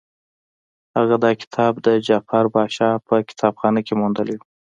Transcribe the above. هغه دا کتاب د جعفر پاشا په کتابخانه کې موندلی وو.